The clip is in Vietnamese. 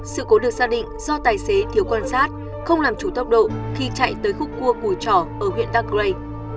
sự cố được xác định do tài xế thiếu quan sát không làm chủ tốc độ khi chạy tới khúc cua cùi trỏ ở huyện daray